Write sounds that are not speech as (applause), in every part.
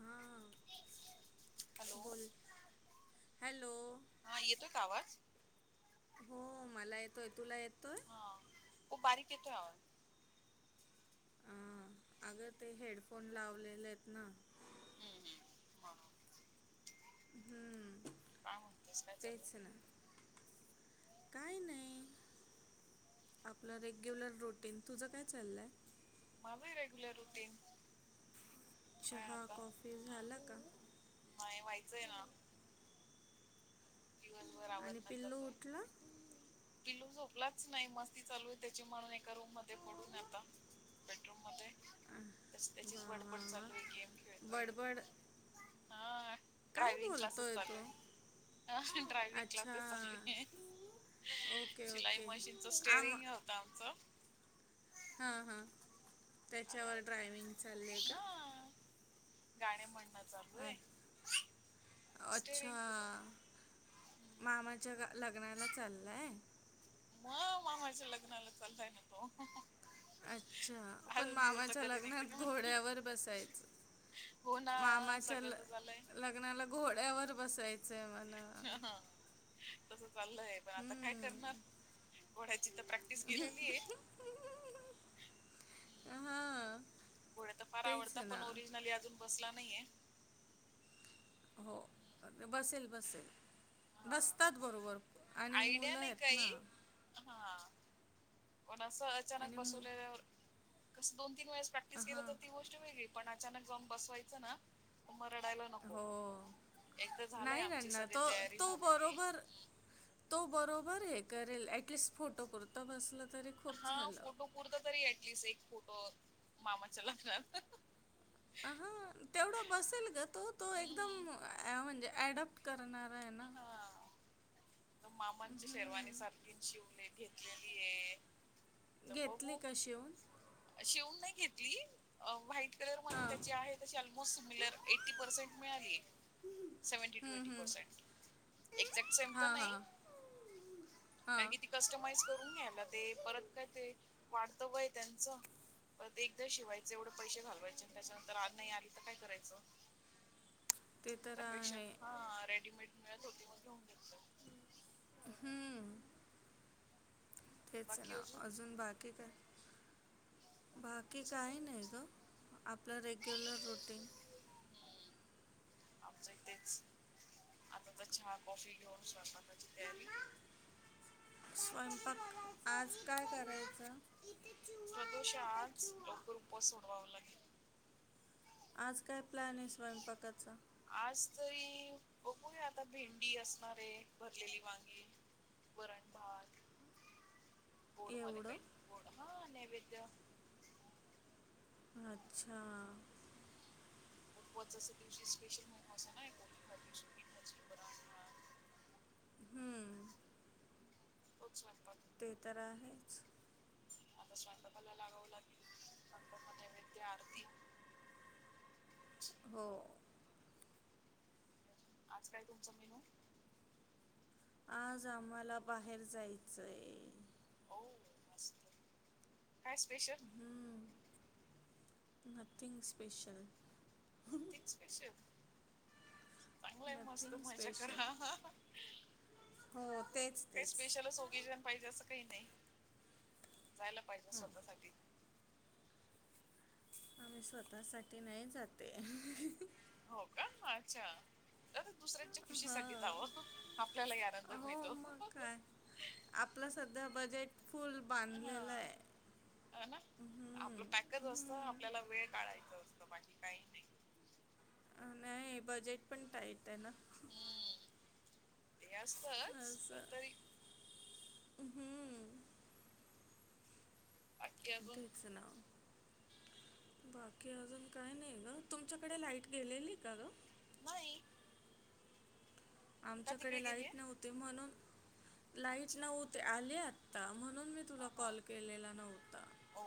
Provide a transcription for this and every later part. हां हॅलो बोल हॅलो हा येतो का आवाज? हो मला येतोय. तुला येतोय? त बारीक येतोय आवाज. हां अगं ते हेडफोन लावलेले आहेत ना. हम्म ह हम्म तेच ना काय नाही. आपलं रेग्युलर रुटीन तुझं काय चाललंय? मला रेग्युलर रुटीन. काय चहा आता कॉफी झाला का? नाही व्हायचंय ना. दिवसभर आणि आवरण्यात पिल्लू जातोय. उठला पिलू झोपलाच नाही मस्ती चालू आहे त्याची म्हणून एका रूम मध्ये पडून आता. बेडरूम मध्ये आह, त्याचीच वा वा बडबड वा चालू आहे गेम खेळतोय. बडबड हा काय ड्रायविंग क्लासेस बोलतोय चालू तो आहे. ड्रायव्हिंग अच्छा क्लासेस चालू ओके शिलाई ओके मशीनच आम स्टेरिंग होत आमचं. हा हा आणि त्याच्यावर आम्ही ड्रायविंग चाललेय का? हा गाणे म्हणणार. अ अच्छा स्टेरिंग फिरवणं मामाच्या लग्नाला चाललाय मग मामाच्या लग्नाला चालताय ना तो अच्छा पण अजून मुहूर्त मामाच्या कधी निघते का लग्नात म्हणते घोड्यावर बसायचं हो ना मामाच्या सगळं ल तर झालंय लग्नाला घोड्यावर बसायचंय म तस चाललंय पण आता काय हम्म. करणार घोड्याची तर प्रॅक्टि - डीस केलेली आय हां घोड्या तर फार तेच आवडता ना पण ओरिजिनल अजून बसला नाहीये हो अरे बसेल बसेल हा बसतात बरोबर आणि आयडिया मुलं नाही आहेत ना काही हा पण असं अचानक आणि मु बसवलेल्या कस दोन तीन वेळेस प्रॅक्टी - तीस किलोच हां ती गोष्ट वेगळी पण अनऊन बसवायच ना मग रडायला नको हो. एक तर झालंय नाही आमची रडणार सगळी तो तयारी तो झालेलीय बरोबर तो बरोबर हे करेल एटलिस्ट फोटो पुरता बसला तरी - हा फोटो पुुरता तरी एटलिस्ट एक फोटो मामाच्या लग्नात आहा तेवढं बसेल ग तो तो एकदम हम्म म्हणजे अडप्ट करणारा आहे ना हा तर मामांची शेरवानी हं. सारखी शिवले घेतलेली आहे तर घेतली बघू का शिवून शिवून नाही घेतली व्हाईट कलर मध्ये हां. त्याची आहे त्याची ऑलमोस्ट सिमिलर एटी पर्सेंट मिळाली सेव्हटी ट हं, एटी हं. पसेंट एक्झॅक्ट सेम तर हां, नाही हां. कारण हां. किती कस्टमाइज करून घ्याला ते परत काय ते वाढत वय त्यांचं परत एकदा शिवायचं एवढं पैसे घालवायचे आणि त्याच्यानंतर आज नाही आली तर काय करायचं (inaudible) त्यापेक्षा आहे. हा रेडीमेड मिळत होते मगेऊन घेत - हम्म तेच ना अजून बाकी काय काय बाकी नाही काही सगळं नाही व्यवस्थित ग आपलं रेग्युलर रुटींग आमच हो तेच आता तर चहा कॉफी घेऊन स्वंयपाकाची तयारी मम्मा स्वयंपाक आज काय करायचा प्रदोष आज लवकर उपवास सोडवाव लागेल. आज काय प्लॅन आहे स्वयंपाकाचा आज तरी बघूया आता भेंडी असणाराय भरलेली वांगी वरण भात (inaudible) गोड मध्ये काही गोड हा नैवेद्य अच्छा उपवासाच्या दिवशी स्पेशल (unintelligible) हम्म, (unintelligible) ते तर आहेच आता स्वयंपाकाला लागावं लागतं नंतर मग नैवेद्य आणि आरती हो आज काय तुमचं मेनू आज आम्हाला बाहेर जायचंय हो मस्त काय स्पेशल हु नथिंग स्पेशल पेशल चांगलं आहे मस्त नथिंग मजा करा स्पेशल हं हा हो तेच काही तेच स्पेशलच ओकेजन पाहिजे असं काही नाही जायला पाहिजे हां स्वतःसाठी आम्ही स्वतःसाठी नाही जातेय हं ह हो का मग आछ्या दुसऱ्या खुशीसाठी हां जाव आपल्याला ही आनंद हो मिळतो. मग काय आपलं सध्या बजेट फुल बांधलेलं हा आहे हम् टाकत असत आपल्याला वेळ काढायचं असतं बाकी काही नाही. नाही बजेट पण टाईट आहे ना. हम्म ते असतच पण असं तरी हम्म बाकी अजून तेच ना. बाकी अजून काय नाही ग तुमच्याकडे लाईट गेलेली का ग. नाही. का तिकडे आमच्याकडे गेलीय लाईट नव्हते म्हणून लाईट अच्छा नव्हत ते आले आत्ता म्हणून मी तुला हा हा कॉल केलेला नव्हता. हो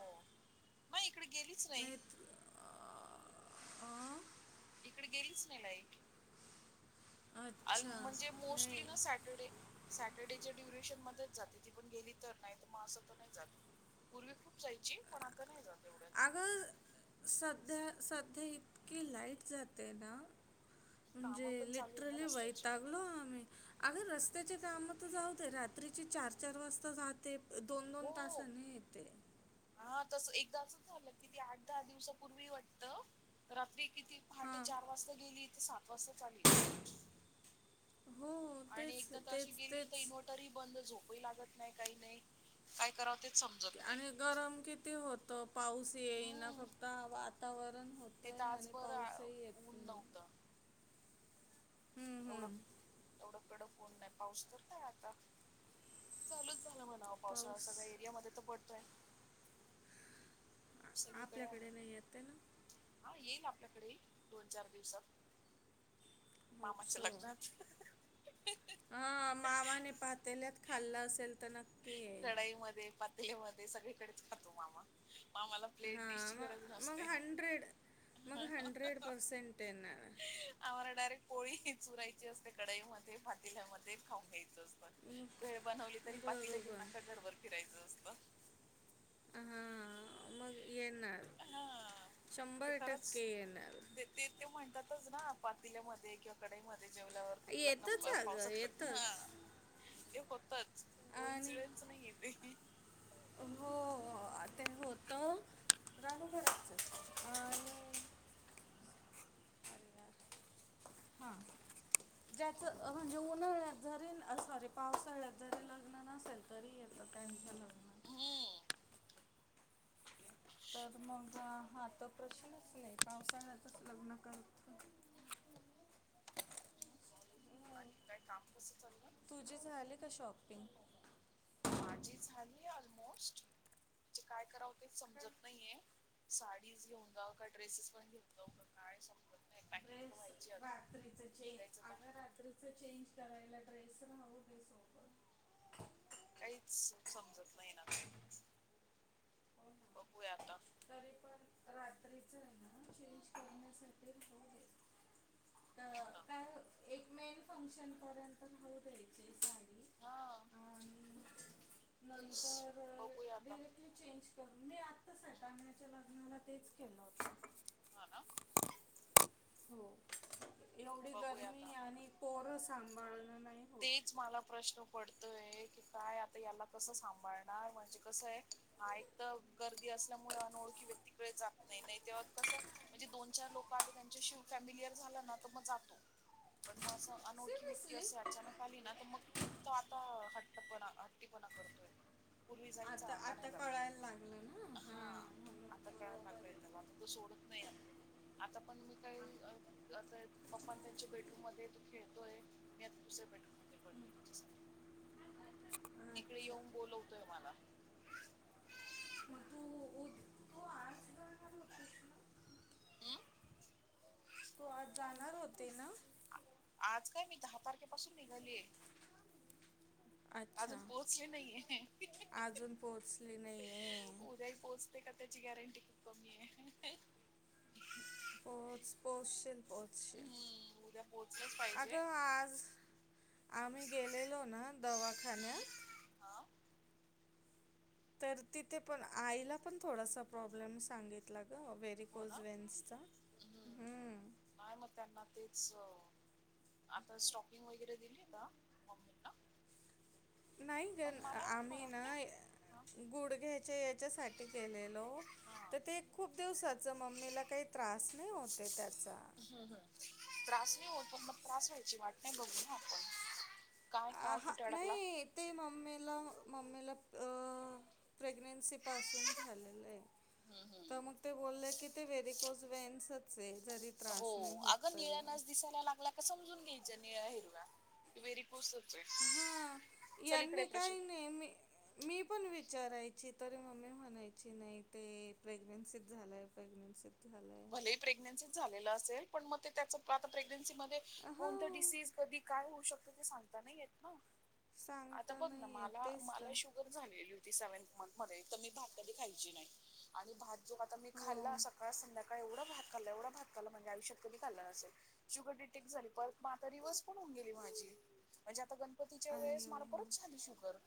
म इकडे गेलीच नाही. अं? इकडे गेलीच नाही लाईट. अ अच्छा म्हणजे मोस्टली नाही ना सॅटर्डे सॅटर्डेच्या ड्युरेशन मध्येच जाते ती पण गेली तर नाहीत मग असं तर नाही जात. पूर्वी खूप जायची पण आता नाही जाते एवढ्या अग सध्या सध्या इतकी लाईट जाते ना. म्हणजे कामं पण चालू आहे ना लिट्रली रस्त्याचे वयतागलो आम्ही. अगर रस्त्याचे काम तर जाऊदे रात्रीचे चार चार वाजता जा ते दोन दोन हो तासाने येते हा तस एकदा असंच झालं कि त आठ दहा दिवसापूर्वी वाटत रात्री किती पहाटे हां चार वाजता गेली तर सात वाजता चाली. हो. आणि तेच एकदा तर अशी तेच गेली तर तेच नोट तरी बंद झोपही लागत नाही काही नाही काय करावं तेच समजत नाही. आणि गरम किती होतं पाऊस येईना हम्म फक्त वातावरण होत ते तासभर ऊन नव्हतं. हम्म. एवढं हम्म. एवढं कडक होऊन नाही पाऊस तर काय आता. चालूच झालं म्हणा पावसाळा पाऊस सगळ्या एरिया मध्ये तर पडतोय. आ- सगळीकडे आपल्याकडे आहे. नाही येते ना हा येईल आपल्याकडे दोन चार दिवसात. होप मामाच्या सो लग्नात?. हा मामाने पहातेल्यात खाल्लं असेल तर ना टढाईमध्ये पण. ते म सगळीकडेच खातो मामा मामाला. हा प्लेट डिश मग गरज मग नसते. हंड्रेड मग हंड्रेड पर्सेंट येणार आम्हाला डायरेक्ट पोळी चुरायची असते कढाई मध्ये पातीला मध्ये खाऊन घ्यायच असते. मग- भेळ बनवली तरी पातीला घेऊ बरोबर नका घरबर फिरायचं असतं. हा मग येणार हा ते शंभर खरंच टक्के येणार. ते ते ते म्हणतातच ना पातील्यामध्ये किंवा कडाईमध्ये जेवल्यावर. लग्न येतच अगं पावसात लग्न ह येतच ते होतच आणि कोइन्सिडेनस नाही. ते. हो ते होत (unintelligible) अ (inaudible) हा. ज्याच म्हणजे उन्हाळ्यात जरी सॉरी पावसाळ्यात जरी लग्न नसेल. ररी आहेच टन्शन (unintelligible) हम्म. तर मग हा तर प्रश्नच नाही पावसाळ्यातच लग्न करत. अजून बाकी काम कसं चाललं. तुझी झाली का शॉपिंग? माझी झाली ऑलमोस्ट म्हणजे काय करावते काय समजत नाहीये. साडी घेऊन जाऊ का ड्रेसेस पण घेऊन जाऊ का काय समजत नाही. पॅकिंग तर व्हायची अजून. रात्रीच निघायचं चें का आता रात्रीच चेंज करायला ड्रेस राहू दे सोबत. काहीच समजत नाही ना काही बघूया आता. रात्रीचा आहे ना चेंज करायसाठी राहू दे सोबत. अ हो ना काय? एक मेन फंक्शन पर्यंत राहू द्यायची साडी. हा अ. तेच बघूया आता. चेंज मी आता सट्याच्या लग्नाला तेच केलं होत. हो ना. हो एवढी बघूया आता गरमी आणि पोर सांभाळण नाही. होत तेच मला प्रश्न पडतय की काय आता याला कसं सांभाळणार म्हणजे कसं आहे. हा एक तर गर्दी असल्यामुळे अनोळखी व्यक्तीकडे जात नाही नाही तेव्हा कसं. म्हणजे दोन चार लोक आले त्यांच्याशी फॅमिलीर झाला ना तर मग चांगलय. पण मग असं अनोखी व्यक्ती सिरियसली अस. अचानक आली ना तर मग त आता हट्टपणा हट्टीपणा करतोय. पूर्वी जायचा आता नाही जात तो. कळायला लागलं ना हा, हां आता कळायला बरोबर. लागलाय त्याला तो सोडत नाही. आता पण मी काही ता पप्पांना त्यांच्या बेडरूम मध्ये तो खेळतोय. दुसरा बेडरूम मध्ये पळ तिकडे अच्छा येऊन बोलवतोय मला. मग तू उद- तू आज जाणार होतीस ना? ह. तू आज जाणार होते ना? आज काय मी दहा तारखेपासून निघालीय. ह (inaudible) अजून पोहोचले नाहीे. अजून पोहोचली नाही आहे उद्या ही पोहच ते का त्याची गॅरंटी खूप कमी आहे. (inaudible) पो पोहचशील पोहचशील. हम्म उद्या पोहोचलंच पाहिजे अगं आज हा आम्ही गेलेलो ना हम्म दवाखान्यात. हा तर तिथे पण आईला पण थोडासा प्रॉब्लेम सांगितला ग व्हेरी हो कोज ना व्हेन्सचा. हम्म नाही म त्यांना तेच. आता स्टॉकिंग वगैरे दिली का मम्मीना नाही ग आम्ही ना फरक नाही हा गुडघ्याच्या याच्यासाठी गेलेलो. हा तर ते खूप दिवसाच मम्मीला काही त्रास नाही होते त्याचा. हम् हम त्रास नाही होत प मग त्रास व्हायची वाट नाही बघू ना आपण. काय आ, काय हा कुठे अडकला. नाही ते म्मीेमीला मम्मीला प्रेग्नेन्सी पासून झालेलं आहे. हम्म तर हम्म मग ते बोलले कि ते व्रीकोस वेन्स स (unintelligible) हो अग निळ्या नच दिसायला लागला का समजून घ्यायच्या निळ्या हिरव्या व्हेरी कसच आहे हा चल इकडे यांनी प्रश्न काही नाही मी मी पण विचारायची तरी मम्मी म्हणायची नाही ते प्रेग्नेन्सीत झालंय प्रेग्नेन्सीत झालाय भलेही प्रेग्नेन्सीच झालेलं असेल पण मग ते त्याच आता प्रेग्नेन्सी मध्ये कोणत हां डिसीज कधी काय होऊ शकत ते सांगता नाही य ना. आता सांगता बघ ना नाही येत मला तेच तर मला श (unintelligible) झाली होती सेव्हनथ मंथ मध्ये तर मी भाात कधी खायची नाही आणि भात जो आता मी खाल्ला हो. सकाळ संध्याकाळ एवढा भाता खाल्ला एवढा भाता खाल्ला शुगर डिटेक्ट झाली परत आता रिवर्स पण होऊन गेली माझी म्हणजे आता गणपतीच्या वेळेस अय्यो मला परत झाली शुगर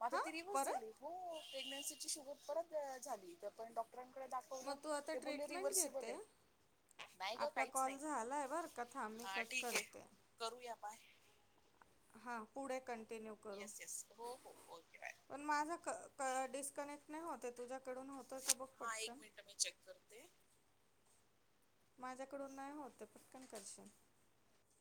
म आता हां ती परत प्रेग्न्सीची शुगर परत झाली इथे पण डॉक्टरांकडे दाखव मग तू आता ट्रीटमेंट घेते नाही ग आपला काहीच कॉल नाही झालाय बर का हा ठीक आहे करूया बाय हा पुढे कंटिन्यू करू (inaudible) पण माझा क क डिस्कनेक्ट नाही होते तुझ्याकडून होतोय का बघ हा एक पटकन मिनिट मी चेक करते माझ्याकडून नाही होत पटकन कर्षन